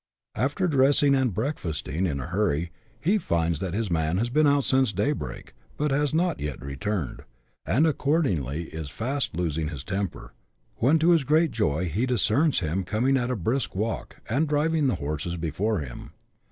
After dressing and breakfasting in a hurry, he finds that his man has been out since daybreak, but has not yet returned, and accordingly is fast losing his temper, when to his great joy he discerns him coming at a brisk walk, and driving the horses before him.